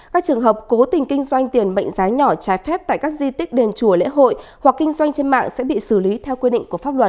các trường hợp cố tình kinh doanh tiền mệnh giá nhỏ trái phép tại các di tích đền chùa lễ hội hoặc kinh doanh trên mạng sẽ bị xử lý theo quy định của pháp luật